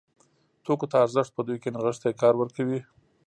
توکو ته ارزښت په دوی کې نغښتی کار ورکوي.